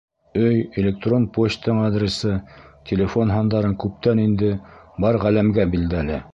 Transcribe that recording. Өй, электрон почтаң адресы, телефон һандарың күптән инде бар ғаләмгә билдәле.